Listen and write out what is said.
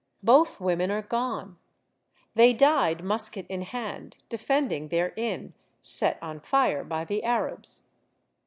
Both women are gone ; they died, musket in hand, defending their inn, set on fire by the Arabs.